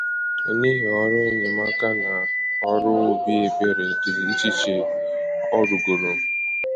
n'ihi ọrụ enyemaka na ọrụ obi ebere dị icheiche ọ rụgoro